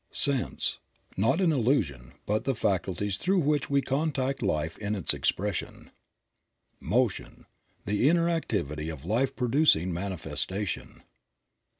Sense. — Not an illusion, but the faculties through which we contact life in its expression. Motion. — The inner activity of life producing manifestation.